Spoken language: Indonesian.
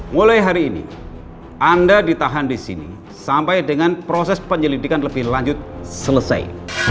mulai hari ini anda ditahan di sini sampai dengan proses penyelidikan lebih lanjut selesai